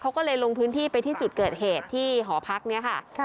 เขาก็เลยลงพื้นที่ไปที่จุดเกิดเหตุที่หอพักนี้ค่ะ